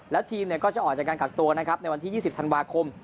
แล้วทีมก็จะออกจากการกักตัวนะครับในวันที่๒๐ธันวาคม